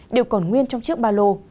đều còn nguyên trong chiếc ba lô